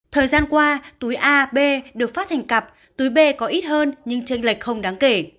thời gian qua túi ab được phát thành cặp túi b có ít hơn nhưng tranh lệch không đáng kể